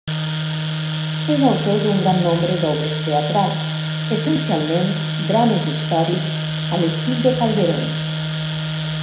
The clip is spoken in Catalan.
És autor d'un gran nombre d'obres teatrals, essencialment drames històrics a l'estil de Calderón.